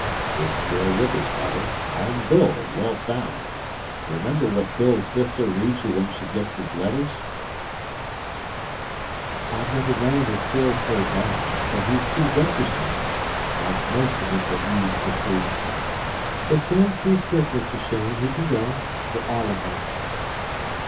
"They're square riggers, Mother; iron built an' well found. Remember what Phil's sister reads you when she gits his letters." "I've never known as Phil told lies, but he's too venturesome (like most of 'em that use the sea). If Dan sees fit, Mr. Cheyne, he can go fer all o' me."